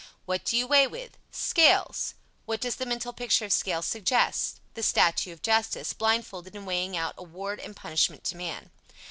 What do you weigh with? Scales. What does the mental picture of scales suggest? The statue of Justice, blindfolded and weighing out award and punishment to man.